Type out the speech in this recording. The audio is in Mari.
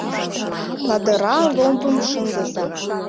Ладыра ломбым шындыза.